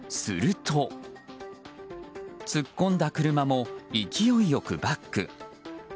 すると、突っ込んだ車も勢い良くバック。